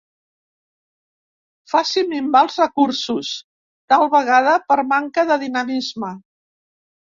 Faci minvar els recursos, tal vegada per manca de dinamisme.